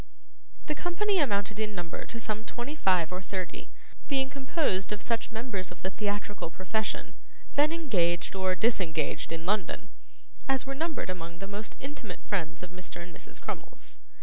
The company amounted in number to some twenty five or thirty, being composed of such members of the theatrical profession, then engaged or disengaged in London, as were numbered among the most intimate friends of Mr. and Mrs. Crummles.